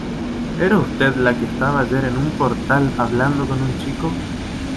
¿ era usted la que estaba ayer en un portal hablando con un chico?